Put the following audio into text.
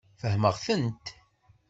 Fehmeɣ-tent.